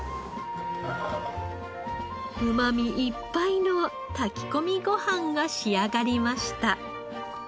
うまみいっぱいの炊き込みご飯が仕上がりました。